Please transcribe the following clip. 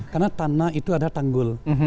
karena tanah itu ada tanggul